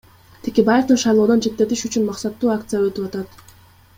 Текебаевдин шайлоодон четтетиш үчүн максаттуу акция өтүп атат.